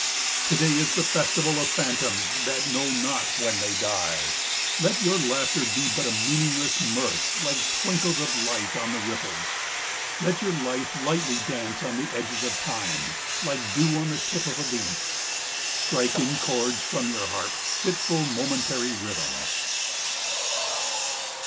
To day is the festival of phantoms that know not when they die. Let your laughter be but a meaningless mirth like twinkles of light on the ripples. Let your life lightly dance on the edges of Time like dew on the tip of a leaf. Strike in chords from your harp fitful momentary rhythms.